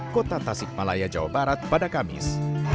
kota tasikmalaya jawa barat pada kamis